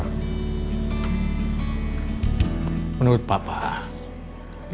lebih baik kamu nggak usah ke kantor atau bekerja